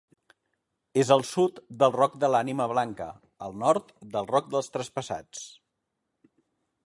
És al sud del Roc de l'Ànima Blanca, al nord del Roc dels Traspassats.